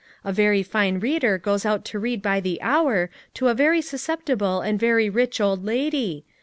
A very fine reader goes out to read by the hour to a very suscep tible and very rich old lady.